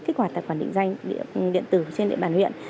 kích hoạt tài khoản định danh điện tử trên địa bàn huyện